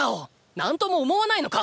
何とも思わないのか